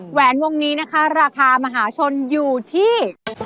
แหวนวงนี้นะคะราคามหาชนอยู่ที่